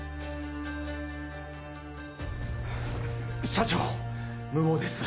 社長無謀です